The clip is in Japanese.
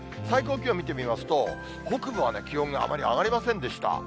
最高気温見てみますと、北部は気温があまり上がりませんでした。